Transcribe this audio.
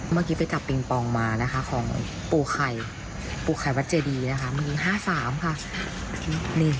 เมื่อกี้ไปจับปิงปองมานะคะของปู่ไข่ปูไข่วัดเจดีนะคะมือ๕๓ค่ะ